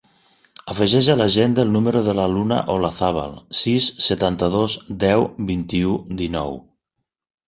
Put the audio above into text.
Afegeix a l'agenda el número de la Luna Olazabal: sis, setanta-dos, deu, vint-i-u, dinou.